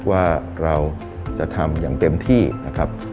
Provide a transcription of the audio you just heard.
ว่าเราจะทำอย่างเต็มที่นะครับ